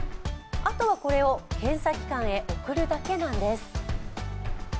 あとはこれを検査機関へ送るだけなんです。